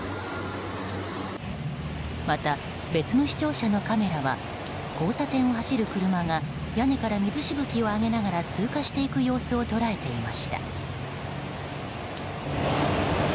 また、別の視聴者のカメラは交差点を走る車が屋根から水しぶきを上げながら通過していく様子を捉えていました。